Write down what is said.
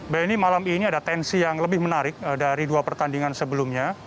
beni malam ini ada tensi yang lebih menarik dari dua pertandingan sebelumnya